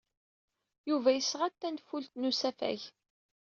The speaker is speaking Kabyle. Yuba yesɣa-d tanfult n usafag.